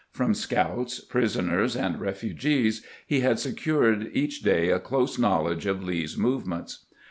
From scouts, prisoners, and refugees he had secured each day a close knowledge of Lee's movements.